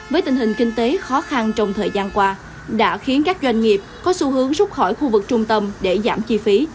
với tình hình kinh tế khó khăn trong thời gian qua đã khiến các doanh nghiệp có xu hướng rút khỏi khu vực trung tâm để giảm chi phí